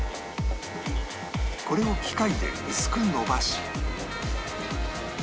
これを機械で薄く延ばし